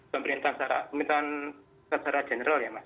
pemerintahan secara general ya mas